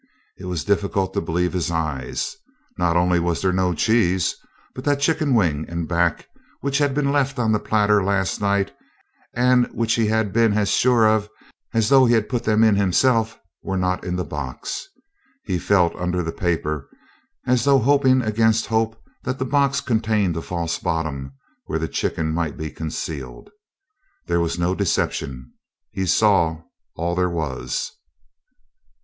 It was difficult to believe his eyes! Not only was there no cheese, but that chicken wing and back which had been left on the platter last night, and which he had been as sure of as though he had put them in himself, were not in the box. He felt under the paper as though hoping against hope that the box contained a false bottom where the chicken might be concealed. There was no deception. He saw all there was.